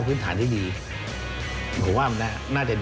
ก็คือคุณอันนบสิงต์โตทองนะครับ